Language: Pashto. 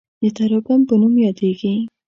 د تراکم په نوم یادیږي.